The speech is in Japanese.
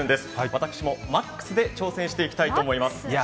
私もマックスで挑戦していきたいと思います。